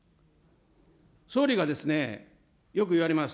総理がですね、よく言われます。